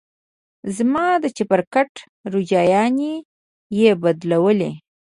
زما د چپرکټ روجايانې يې بدلولې.